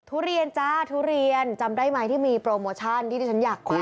ทุเรียนจ้าทุเรียนจำได้ไหมที่มีโปรโมชั่นที่ที่ฉันอยากไป